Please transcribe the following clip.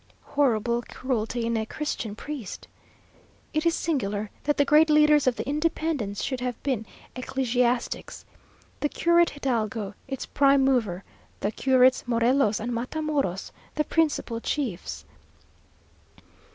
Horrible cruelty in a Christian priest! It is singular, that the great leaders of the independence should have been ecclesiastics; the Curate Hidalgo its prime mover, the Curates Morelos and Matamoros the principal chiefs.